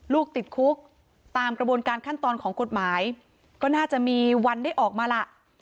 ติดคุกตามกระบวนการขั้นตอนของกฎหมายก็น่าจะมีวันได้ออกมาล่ะ